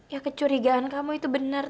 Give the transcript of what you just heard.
ya kecurigaan kamu itu benar